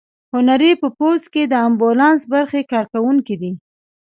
هنري په پوځ کې د امبولانس برخې کارکوونکی دی.